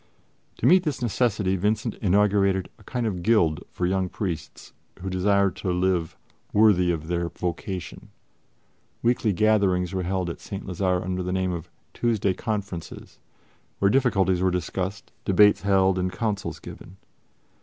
To meet this necessity Vincent inaugurated a kind of guild for young priests who desire to live worthy of their vocation. Weekly gatherings were held at St. Lazare under the name of "Tuesday Conferences," where difficulties were discussed, debates held and counsels given.